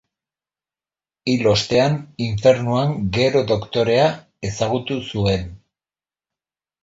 Hil ostean infernuan Gero Doktorea ezagutu zuen.